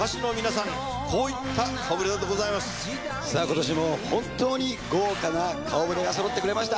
さぁ今年も本当に豪華な顔ぶれがそろってくれました。